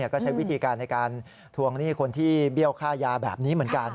ก็ใช้วิธีการในการทวงหนี้คนที่เบี้ยวค่ายาแบบนี้เหมือนกัน